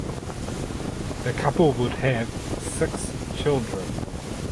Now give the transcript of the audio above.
The couple would have six children.